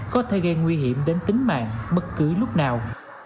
có thể gây nguy hiểm đến tính mạng bất cứ lúc nào